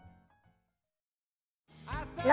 何？